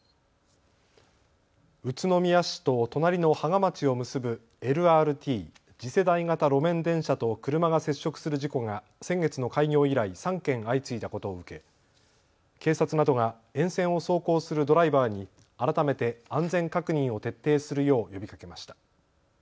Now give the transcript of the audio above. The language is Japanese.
宇都宮市と隣の芳賀町を結ぶＬＲＴ・次世代型路面電車と車が接触する事故が先月の開業以来、３件、相次いだことを受け警察などが沿線を走行するドライバーに改めて安全確認を徹底するよう呼びかけました。